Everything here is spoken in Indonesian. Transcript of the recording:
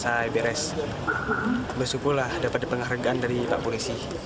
saya beres bersyukurlah dapat penghargaan dari pak polisi